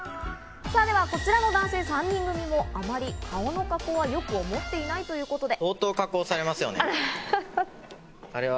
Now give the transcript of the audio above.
さぁ、こちらの男性３人組もあまり顔の加工はよく思っていないということで。